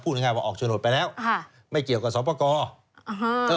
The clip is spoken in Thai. พูดง่ายว่าออกโฉนดไปแล้วไม่เกี่ยวกับสปก